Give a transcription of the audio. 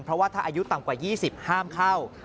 เพราะว่าถ้าอายุต่ำกว่า๒๐ห้ามเข้า